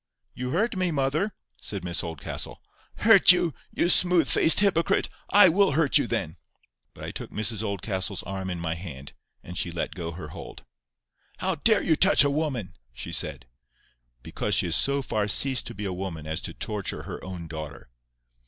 "You hurt me, mother," said Miss Oldcastle. "Hurt you? you smooth faced hypocrite! I will hurt you then!" But I took Mrs Oldcastle's arm in my hand, and she let go her hold. "How dare you touch a woman?" she said. "Because she has so far ceased to be a woman as to torture her own daughter."